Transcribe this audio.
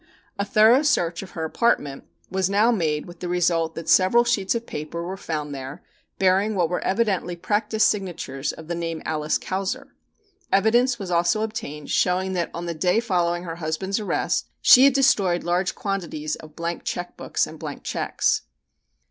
A thorough search of her apartment was now made with the result that several sheets of paper were found there bearing what were evidently practice signatures of the name of Alice Kauser. (Fig. 5.) Evidence was also obtained showing that, on the day following her husband's arrest, she had destroyed large quantities of blank check books and blank checks.